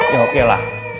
ya oke lah